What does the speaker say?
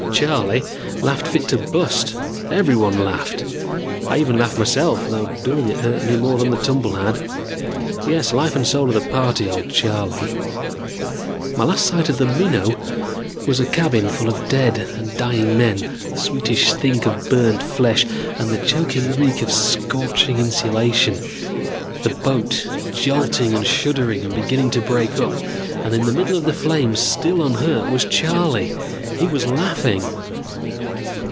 Charley laughed fit to bust, everyone laughed, I even laughed myself though doing it hurt me more than the tumble had. Yes, life and soul of the party, old Charley ... "My last sight of the Minnow was a cabin full of dead and dying men, the sweetish stink of burned flesh and the choking reek of scorching insulation, the boat jolting and shuddering and beginning to break up, and in the middle of the flames, still unhurt, was Charley. He was laughing